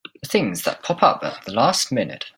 The things that pop up at the last minute!